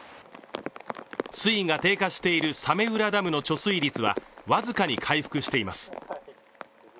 水位が低下している早明浦ダムの貯水率は僅かに回復しています。